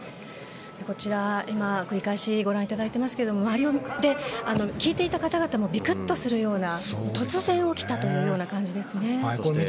こちら今、繰り返しご覧いただいていますけども周りで聞いていた方々もびくっとするような突然起きたというような感じですね。